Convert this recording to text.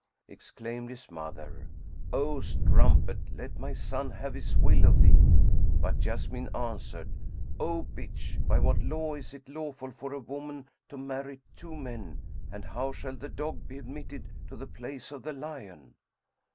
Exclaimed his mother, "O strumpet, let my son have his will of thee!" But Jessamine answered "O bitch, by what law is it lawful for a woman to marry two men; and how shall the dog be admitted to the place of the lion?"